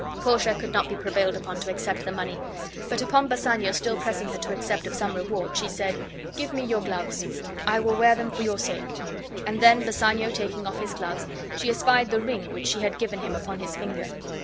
Portia could not be prevailed upon to accept the money. But upon Bassanio still pressing her to accept of some reward, she said: "Give me your gloves. I will wear them for your sake." And then Bassanio taking off his gloves, she espied the ring which she had given him upon his finger.